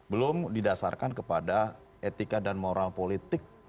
belum didasarkan kepada etika dan moral politik